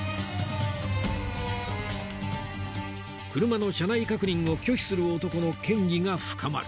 車の車内確認を拒否する男の嫌疑が深まる